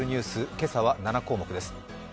今朝は７項目です。